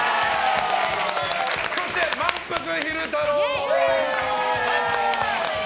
そして、まんぷく昼太郎！